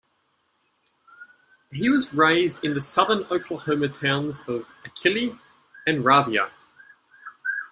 He was raised in the southern Oklahoma towns of Achille and Ravia.